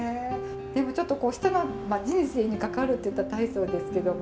でもちょっとこう人の人生に関わるって言ったら大層ですけども。